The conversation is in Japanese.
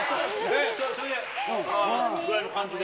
それぐらいの感じで。